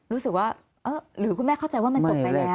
รู้สึกว่าเออหรือคุณแม่เข้าใจว่ามันจบไปแล้ว